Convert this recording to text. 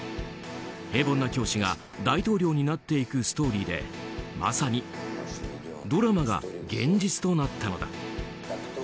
平凡な教師が大統領になっていくストーリーでまさにドラマが現実となったのだ。